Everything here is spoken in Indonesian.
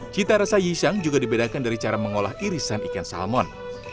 cita rasa yishang juga dibedakan dari cara mengolah irisan ikan salmon